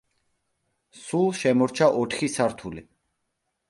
სულ შემორჩა ოთხი სართული.